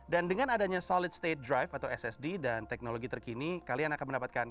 dengan adanya solid state drive atau ssd dan teknologi terkini kalian akan mendapatkan